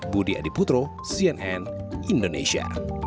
budi adiputro cnn indonesia